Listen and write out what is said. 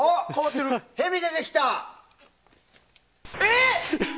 ヘビが出てきた！